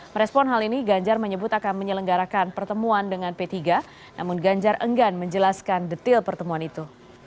merespon hal ini ganjar menyebut akan menyelenggarakan pertemuan dengan p tiga namun ganjar enggan menjelaskan detil pertemuan itu